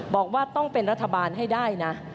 บอกว่าต้องเป็นรัฐบาลให้ได้นะ